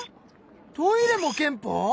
トイレも憲法？